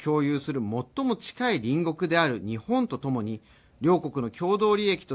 普遍的価値を共有する最も近い隣国である日本とともに、両国の共同利益と